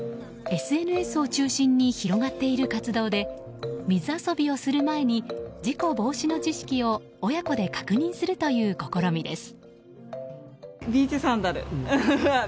ＳＮＳを中心に広がっている活動で水遊びをする前に事故防止の知識を親子で確認するという試みです。